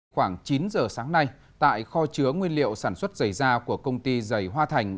khoảng chín giờ sáng nay tại kho chứa nguyên liệu sản xuất dày da của công ty dày hoa thành